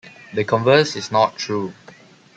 The converse is not true.